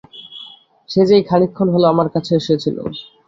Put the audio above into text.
সে যে এই খানিকক্ষণ হল আমার কাছেও এসেছিল।